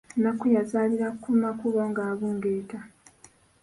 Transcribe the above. Nnakku yazaalira ku makubo ng'abungeeta.